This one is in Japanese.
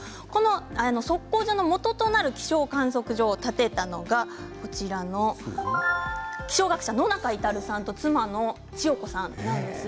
測候所のもととなる気象観測所を建てたのが写真の気象学者の野中到さんと妻の千代子さんです。